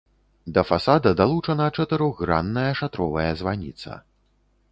Да фасада далучана чатырохгранная шатровая званіца.